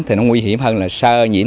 thì nó nguy hiểm hơn là sơ nhiễm